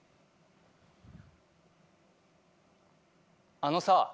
あのさ。